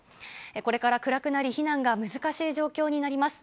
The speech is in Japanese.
これから暗くなり、避難が難しい状況になります。